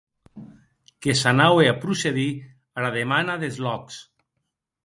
Que s’anaue a procedir ara demanà des lòcs.